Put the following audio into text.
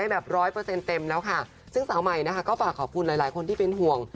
แบบร้อยเปอร์เซ็นต์เต็มแล้วค่ะซึ่งสาวใหม่นะคะก็ฝากขอบคุณหลายหลายคนที่เป็นห่วง